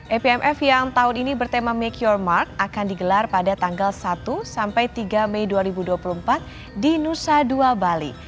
apmf yang tahun ini bertema make your mark akan digelar pada tanggal satu sampai tiga mei dua ribu dua puluh empat di nusa dua bali